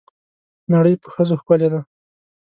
نړۍ په ښځو ښکلې ده.